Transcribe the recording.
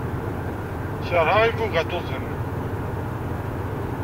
Keṛheɣ ibugaṭuten.